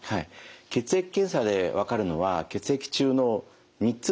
血液検査で分かるのは血液中の３つの脂質です。